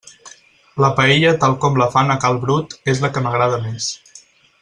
La paella tal com la fan a cal Brut és la que m'agrada més.